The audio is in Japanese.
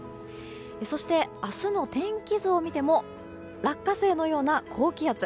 そして、明日の天気図を見ても落花生のような高気圧。